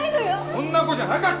そんな子じゃなかったよ！